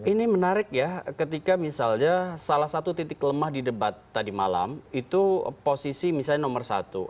ini menarik ya ketika misalnya salah satu titik lemah di debat tadi malam itu posisi misalnya nomor satu